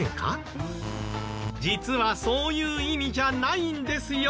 実はそういう意味じゃないんですよ。